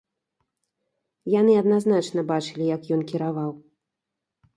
Яны адназначна бачылі, як ён кіраваў.